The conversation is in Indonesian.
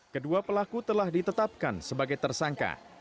kedua pelaku telah ditetapkan sebagai tersangka